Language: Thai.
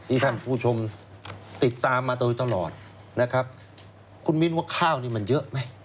ท่านผู้ชมติดตามมาโดยตลอดนะครับคุณมิ้นว่าข้าวนี่มันเยอะไหม